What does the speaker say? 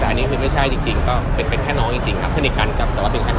แต่อันนี้คือไม่ใช่จริงก็เป็นเป็นแค่น้องจริงครับสนิทกันกับแต่ว่าเป็นใคร